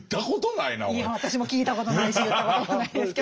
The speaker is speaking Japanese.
いや私も聞いたことないし言ったこともないですけど。